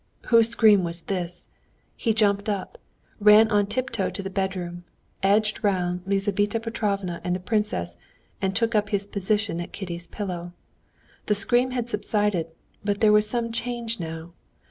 Whose scream was this? He jumped up, ran on tiptoe to the bedroom, edged round Lizaveta Petrovna and the princess, and took up his position at Kitty's pillow. The scream had subsided, but there was some change now.